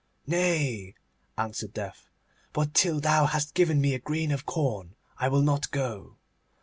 'Nay,' answered Death, 'but till thou hast given me a grain of corn I will not go.